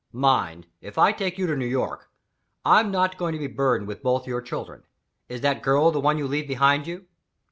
"Mind! if I take you to New York, I'm not going to be burdened with both your children. Is that girl the one you leave behind you?"